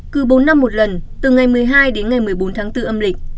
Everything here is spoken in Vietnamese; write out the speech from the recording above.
cứ bốn năm một lần từ ngày một mươi hai đến ngày một mươi bốn tháng bốn âm lịch